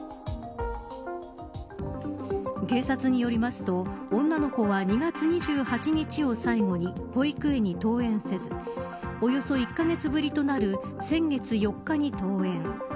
警察によりますと女の子は２月２８日を最後に保育園に登園せずおよそ１カ月ぶりとなる先月４日に登園。